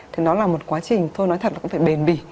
thì nó là một quá trình tôi nói thật là cũng phải bền bỉ